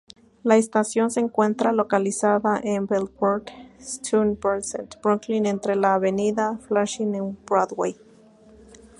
La estación se encuentra localizada en Bedford-Stuyvesant, Brooklyn entre la Avenida Flushing y Broadway.